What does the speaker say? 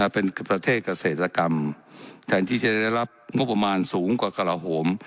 เป็นประเทศเกษตรกรรมแทนที่จะได้รับงบประมาณสูงกว่ากระลาโหม